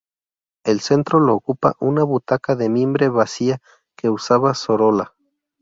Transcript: El centro lo ocupa una butaca de mimbre vacía que usaba Sorolla.